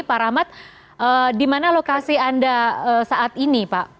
pak rahmat di mana lokasi anda saat ini pak